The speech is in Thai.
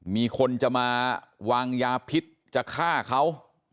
มีคนจะมาวางยาพิษจะฆ่าเขา